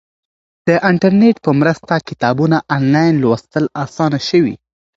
د انټرنیټ په مرسته کتابونه آنلاین لوستل اسانه شوي.